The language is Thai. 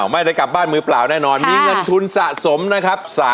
ไม่ได้กลับบ้านมือเปล่าแน่นอนมีเงินทุนสะสมนะครับ